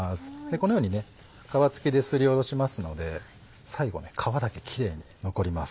このように皮付きですりおろしますので最後皮だけキレイに残ります。